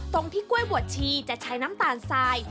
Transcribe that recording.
ตรงที่กล้วยบวชชีจะใช้น้ำตาลทราย